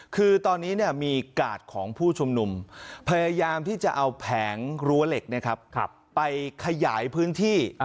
คือตอนนี้มีกาดของผู้ชุมนุมพยายามที่จะเอาแผงรั้วเหล็กไปขยายพื้นที่